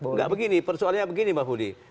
enggak begini persoalannya begini mbak budi